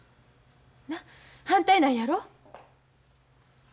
なっ反対なんやろ？